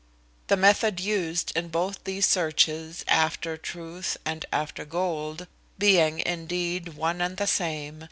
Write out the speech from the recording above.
The method used in both these searches after truth and after gold, being indeed one and the same, viz.